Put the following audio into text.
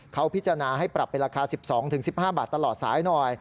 เขาพิจารณาให้ปรับเป็นราคา๑๒๑๕บาทตลอดสายหน่อย